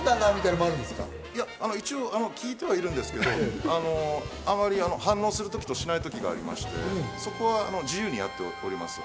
一応、聴いてはいるんですけど、あまり反応するときとしないときがありまして、そこは自由にやっております。